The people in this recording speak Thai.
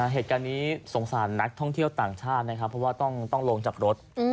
เหตุการณ์นี้สงสารนักท่องเที่ยวต่างชาตินะครับเพราะว่าต้องลงจากรถ